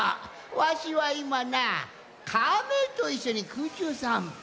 わしはいまなカメといっしょにくうちゅうさんぽ。